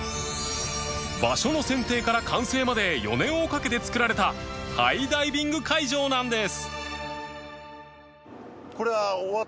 場所の選定から完成まで４年をかけて造られたハイダイビング会場なんです